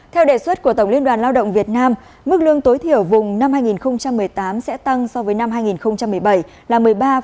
theo đề xuất của tổng liên đoàn lao động việt nam mức lương tối thiểu vùng năm hai nghìn một mươi tám sẽ tăng so với năm hai nghìn một mươi bảy là một mươi ba một